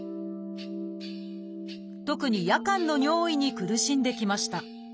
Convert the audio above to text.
特に夜間の尿意に苦しんできました。